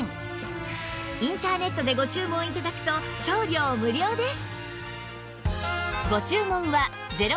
インターネットでご注文頂くと送料無料です